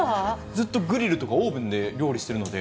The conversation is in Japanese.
ずっとグリルとかオーブンで料理してるので。